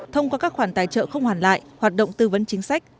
thông qua các khoản tài trợ không hoàn lại hoạt động tư vấn chính sách